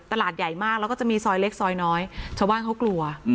ตลาดใหญ่มากแล้วก็จะมีซอยเล็กซอยน้อยชาวบ้านเขากลัว